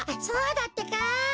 そうだってか！